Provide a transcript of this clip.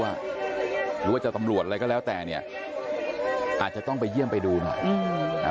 หรือว่าจะตำรวจอะไรก็แล้วแต่เนี่ยอาจจะต้องไปเยี่ยมไปดูหน่อยอืมอ่า